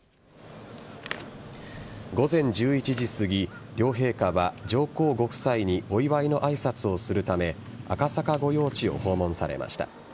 午前１１時すぎ両陛下は、上皇ご夫妻にお祝いの挨拶をするため赤坂御用地を訪問されました。